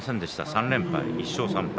３連敗１勝３敗。